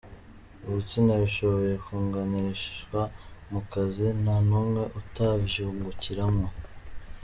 Ibitsina bishoboye kunganishwa mu kazi, nta numwe atovyungukiramwo.